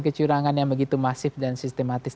kecurangan yang begitu masif dan sistematis